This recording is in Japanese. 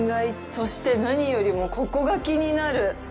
そして、何よりもここが気になる。